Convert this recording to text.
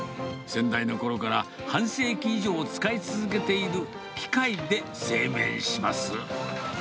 先代のころから半世紀以上使い続けている機械で製麺します。